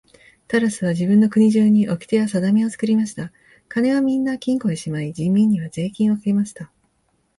タラスは自分の国中におきてやさだめを作りました。金はみんな金庫へしまい、人民には税金をかけました。